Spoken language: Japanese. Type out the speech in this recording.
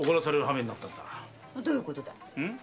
どういうことだい？